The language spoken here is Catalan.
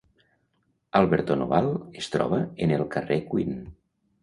Alberton Oval es troba en el carrer Queen.